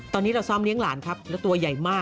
ตอนนี้เราซ้อมเลี้ยงหลานครับแล้วตัวใหญ่มาก